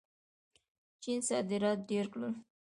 چین صادرات ډېر کړل.